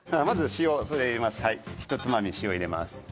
まず塩それ入れます。